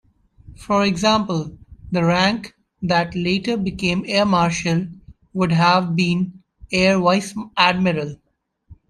For example, the rank that later became air marshal would have been air vice-admiral.